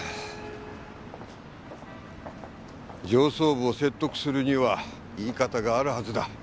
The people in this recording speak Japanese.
上層部を説得するには言い方があるはずだ。